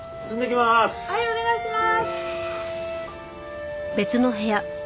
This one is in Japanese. はいお願いします！